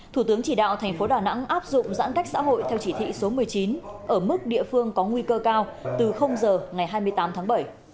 thủ tướng chỉ đạo thành phố đà nẵng áp dụng giãn cách xã hội theo chỉ thị số một mươi chín ở mức địa phương có nguy cơ cao từ giờ ngày hai mươi tám tháng bảy